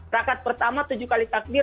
rakat pertama tujuh kali takbir